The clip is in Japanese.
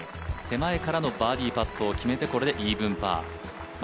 手前からのバーディーパットを決めてイーブンパー。